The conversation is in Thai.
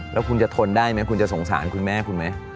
แล้วคุณจะทนได้ไหมคุณจะสงสารคุณแม่คุณไหม